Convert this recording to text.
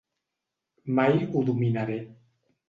Mai ho dominaré.